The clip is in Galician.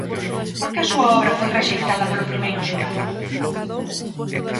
¿Por que a súa obra foi rexeitada polo primeiro xurado?